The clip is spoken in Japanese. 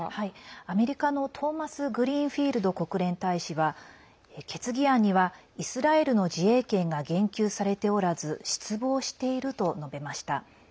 アメリカのトーマスグリーンフィールド国連大使は決議案にはイスラエルの自衛権が言及されておらず失望していると述べました。